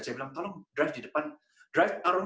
saya bilang tolong kerja di depan